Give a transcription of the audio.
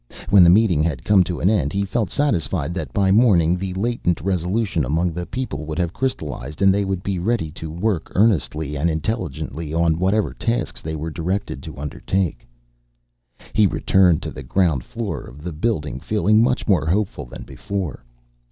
When the meeting had come to an end he felt satisfied that by morning the latent resolution among the people would have crystallized and they would be ready to work earnestly and intelligently on whatever tasks they were directed to undertake. He returned to the ground floor of the building feeling much more hopeful than before.